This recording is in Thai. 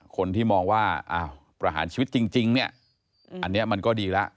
คนที่มองว่าประหารชีวิตจริงเนี่ยอันนี้มันก็ดีแล้ว